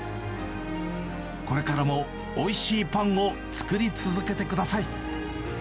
これからもおいしいパンを作り続けてください。